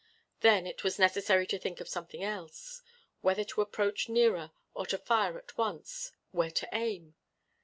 Then it was necessary to think of something else. Whether to approach nearer or to fire at once; where to aim.